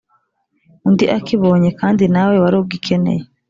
Undi akibonye kandi nawe warugikeneye